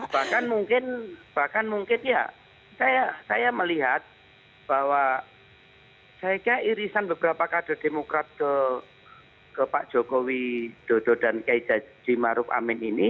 bahkan mungkin bahkan mungkin ya saya melihat bahwa saya kira irisan beberapa kader demokrat ke pak jokowi dodo dan kiai haji maruf amin ini